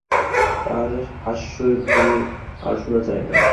তাহার হাস্যধ্বনি আর শুনা যায় না।